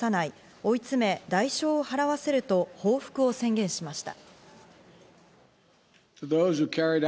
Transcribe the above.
追い詰め、代償を払わせると報復を宣言しました。